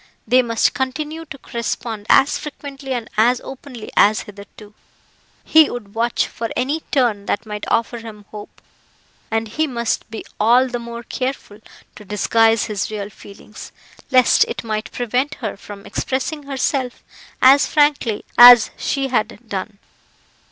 They must continue to correspond as frequently and as openly as hitherto. He would watch for any turn that might offer him hope, and he must be all the more careful to disguise his real feelings, lest it might prevent her from expressing herself as frankly as she had done.